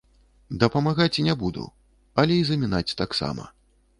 Дапамагаць не буду, але і замінаць таксама.